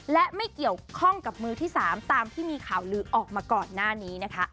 และไม่เกี่ยวข้องกับมือที่๓ตามที่มีข่าวลือออกมาก่อนหน้านี้นะคะ